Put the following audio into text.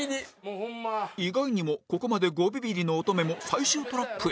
意外にもここまで５ビビリの乙女も最終トラップへ